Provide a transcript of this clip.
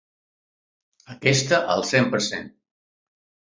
Aquesta al cent per cent.